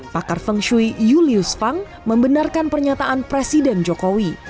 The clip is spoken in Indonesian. pakar feng shui julius fang membenarkan pernyataan presiden jokowi